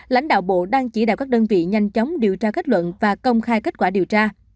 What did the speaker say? lãnh đạo bộ đang chỉ đạo các đơn vị nhanh chóng điều tra kết luận và công khai kết quả điều tra